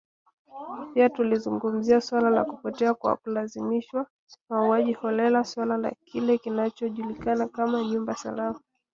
Pia tulizungumzia suala la kupotea kwa kulazimishwa, mauaji holela, suala la kile kinachojulikana kama “nyumba salama”.